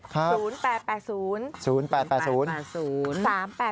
๘มาเลยนะ